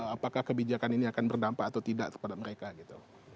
apakah kebijakan ini akan berdampak atau tidak kepada mereka gitu